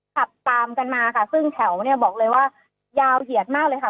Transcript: ขับตามกันมาค่ะซึ่งแถวเนี่ยบอกเลยว่ายาวเหยียดมากเลยค่ะ